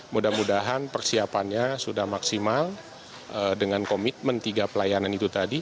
mudah mudahan persiapannya sudah maksimal dengan komitmen tiga pelayanan itu tadi